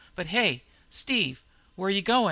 But hey, Steve, where you goin'?"